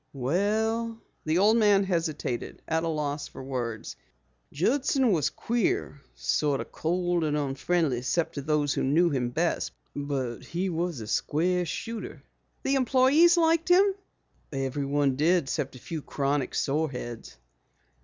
"Well " the old man hesitated, at a loss for words. "Judson was queer, sort of cold and unfriendly except to those who knew him best, but he was a square shooter." "The employes liked him?" "Everyone did except a few chronic sore heads."